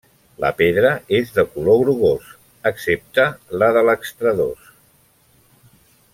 La pedra és de color grogós, excepte la de l'extradós.